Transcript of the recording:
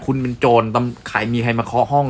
คุณเป็นโจรใครมีใครมาเคาะห้อง